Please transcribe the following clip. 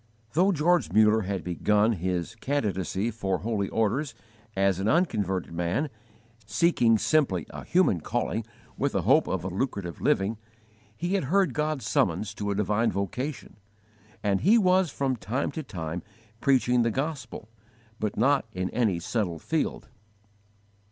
Though George Muller had begun his 'candidacy for holy orders' as an unconverted man, seeking simply a human calling with a hope of a lucrative living, he had heard God's summons to a divine vocation, and he was from time to time preaching the Gospel, but not in any settled field.